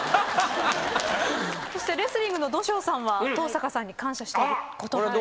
そしてレスリングの土性さんは登坂さんに感謝していることは？